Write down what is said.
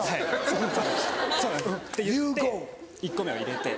１個目を入れて。